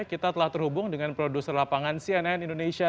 kita telah terhubung dengan produser lapangan cnn indonesia